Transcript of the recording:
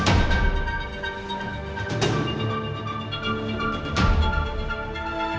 apa mereka sudah dapatkan semua buktinya